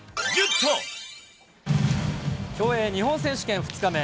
競泳日本選手権２日目。